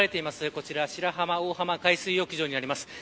こちら白浜大浜海水浴場になります。